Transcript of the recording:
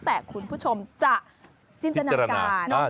แต่คุณผู้ชมจะจินตนาการ